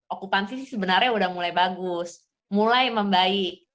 okupansi sih sebenarnya udah mulai bagus mulai membaik